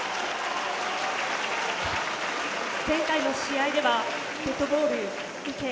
前回の試合ではデッドボール受け